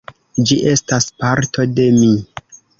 Ĝi estas parto de mi.